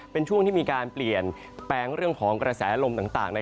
เป็นช่วงที่มีการเปลี่ยนแปลงเรื่องของกระแสลมต่าง